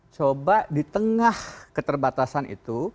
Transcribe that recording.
coba di tengah keterbatasan itu